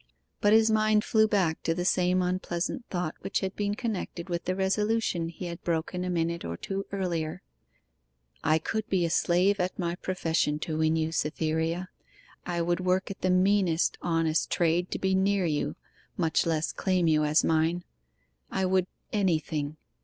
But his mind flew back to the same unpleasant thought which had been connected with the resolution he had broken a minute or two earlier. 'I could be a slave at my profession to win you, Cytherea; I would work at the meanest, honest trade to be near you much less claim you as mine; I would anything.